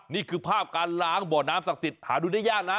นี่คือภาพการล้างบ่อน้ำศักดิ์สิทธิ์หาดูได้ยากนะ